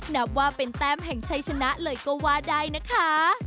นับว่าเป็นแทบแห่งใช้ชนะเลยก็ว่าใดนะคะ